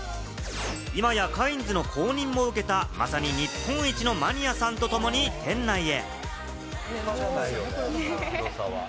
今やカインズの公認も受けた、まさに日本一のマニアさんとともに、店内へ。